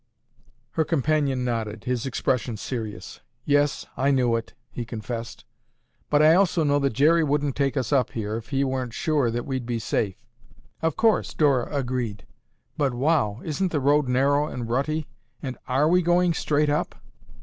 Her companion nodded, his expression serious. "Yes, I knew it," he confessed, "but I also know that Jerry wouldn't take us up here if he weren't sure that we'd be safe." "Of course," Dora agreed, "but wow! isn't the road narrow and rutty, and are we going straight up?"